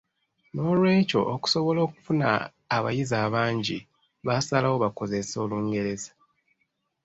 "Noolwekyo, okusobola okufuna abayizi abangi baasalawo bakozese Olungereza."